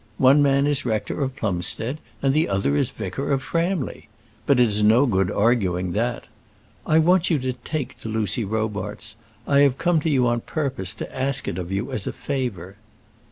One man is Rector of Plumstead, and the other is Vicar of Framley. But it is no good arguing that. I want you to take to Lucy Robarts. I have come to you on purpose to ask it of you as a favour."